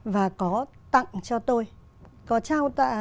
và có tặng cho tôi